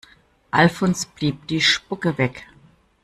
Alfons blieb die Spucke weg.